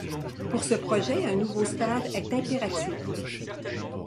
Pour ce projet, un nouveau stade est impératif.